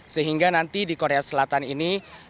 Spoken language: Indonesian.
sehingga nanti di korea selatan ini